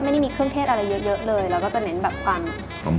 ไม่ได้มีเครื่องเทศอะไรเยอะเลยเราก็จะเน้นแบบปัง